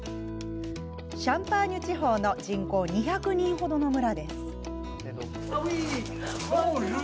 シャンパーニュ地方の人口２００人程の村です。